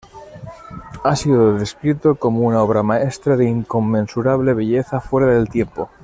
Ha sido descrito como una "obra maestra de inconmensurable belleza fuera del tiempo".